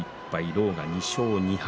狼雅は２勝２敗。